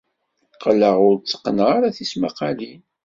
Qqleɣ ur tteqqneɣ ara tismaqqalin.